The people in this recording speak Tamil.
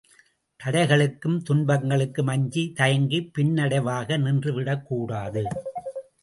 தடைகளுக்கும் துன்பங்களுக்கும் அஞ்சி தயங்கிப் பின்னடைவாக நின்று விடக்கூடாது.